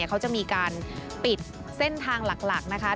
เขาจะมีการปิดเส้นทางหลักนะคะ